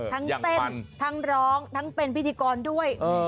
ทั้งเต้นทั้งร้องทั้งเป็นพิธีกรด้วย